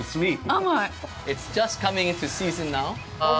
甘い！